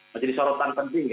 menjadi sorotan penting ya